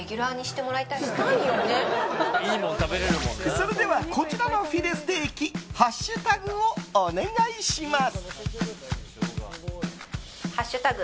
それではこちらのフィレステーキハッシュタグをお願いします。